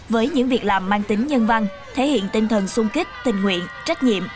với những việc làm mang tính nhân văn thể hiện tinh thần sung kích tình nguyện trách nhiệm